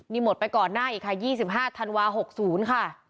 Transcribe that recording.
นี่หมดไปก่อนหน้าอีกค่ะ๒๕ธันวา๖๐ค่ะ